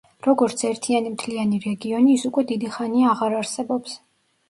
როგორც ერთიანი მთლიანი რეგიონი ის უკვე დიდი ხანია აღარ არსებობს.